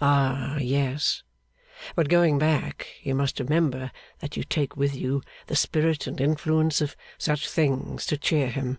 'Ah yes! But going back, you must remember that you take with you the spirit and influence of such things to cheer him.